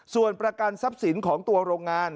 ส่วนประกันทรัพย์สินของตัวโรงงาน